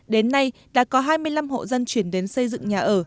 đến nay đã có hai mươi năm hộ dân chuyển đến xây dựng nhà ở